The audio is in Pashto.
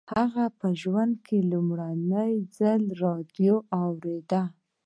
هغه په ژوند کې لومړي ځل راډيو واورېده.